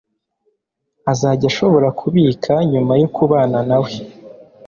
azajya ashobora kubika nyuma yo kubana na we